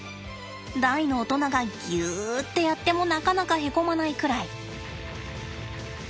大の大人がぎゅってやってもなかなかへこまないくらい。